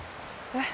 えっ？